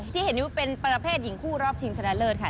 ที่เห็นอยู่เป็นประเภทหญิงคู่รอบชิงชนะเลิศค่ะ